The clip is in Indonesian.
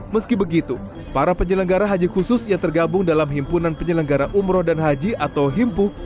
meski begitu para penyelenggara haji khusus yang tergabung dalam himpunan penyelenggara umroh dan haji atau himpuh